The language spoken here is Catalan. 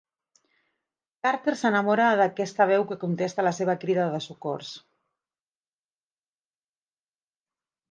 Carter s’enamora d’aquesta veu que contesta la seva crida de socors.